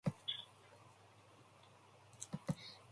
He also directed the cabinet for the Ministry of Communications.